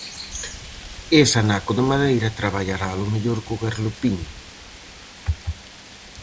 Ese anaco de madeira traballaralo mellor co garlopín.